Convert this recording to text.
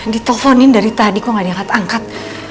diteleponin dari tadi kok gak diangkat angkat